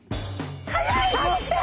早い！